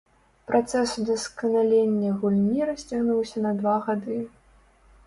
Працэс удасканалення гульні расцягнуўся на два гады.